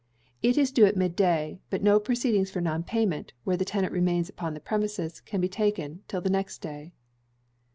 It is due at mid day; but no proceedings for non payment, where the tenant remains upon the premises, can be taken till the next day.